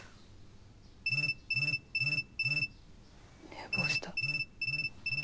寝坊した。